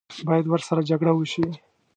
باید ورسره جګړه وشي.